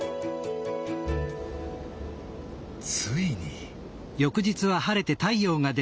ついに。